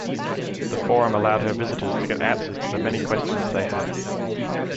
The forum allowed her visitors to get answers to the many questions they had.